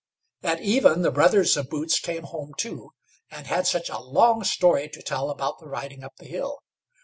At even the brothers of Boots came home too, and had such a long story to tell about the riding up the hill.